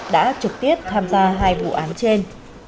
đã trực tiếp tham gia hai vụ án trên